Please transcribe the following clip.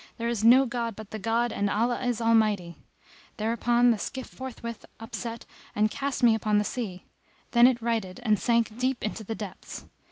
There is no god but the God and Allah is Almighty."[FN#263] Thereupon the skiff forthwith upset and cast me upon the sea; then it righted and sank deep into the depths.